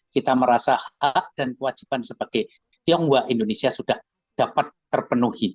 kita merasa hak dan kewajiban sebagai tionghoa indonesia sudah dapat terpenuhi